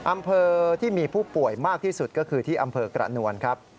อำเภอที่มีผู้ป่วยมากที่สุดก็คือที่อำเภอกระนวลครับ